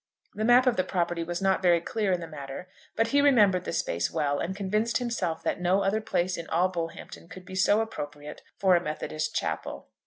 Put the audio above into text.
The map of the property was not very clear in the matter, but he remembered the space well, and convinced himself that no other place in all Bullhampton could be so appropriate for a Methodist chapel.